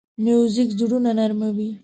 موزیک زړونه نرمه وي.